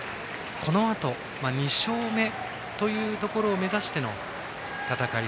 このあと２勝目というところを目指しての戦い。